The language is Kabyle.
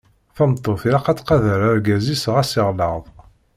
Tameṭṭut ilaq ad tqader argaz-is ɣas yeɣleḍ.